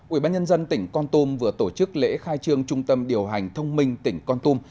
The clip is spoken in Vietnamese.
ubnd tỉnh con tum vừa tổ chức lễ khai trương trung tâm điều hành thông minh tỉnh con tum